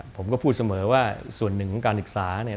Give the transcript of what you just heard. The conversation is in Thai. ผมก็พูดเสมอว่าส่วนหนึ่งของการศึกษาเนี่ย